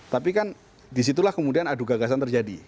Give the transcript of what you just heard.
tapi kan disitulah kemudian adu gagasan terjadi